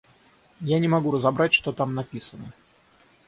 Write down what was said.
Я не могу разобрать, что там написано.